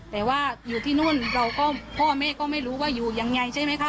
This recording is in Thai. แต่ว่าอยู่ที่นู่นพ่อเมฆก็ไม่รู้ว่าอยู่อย่างไรใช่ไหมคะ